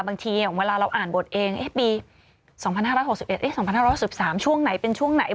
บางทีอย่างเวลาเราอ่านบทเองปี๒๕๖๑๒๕๖๓ช่วงไหนเป็นช่วงไหน